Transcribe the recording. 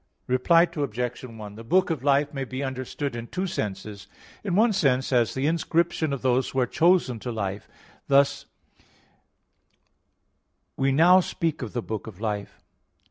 Reply Obj. 1: The book of life may be understood in two senses. In one sense as the inscription of those who are chosen to life; thus we now speak of the book of life.